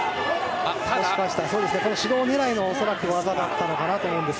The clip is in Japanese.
指導狙いの技だったのかなと思います。